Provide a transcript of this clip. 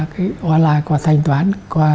hoa lai qua thanh toán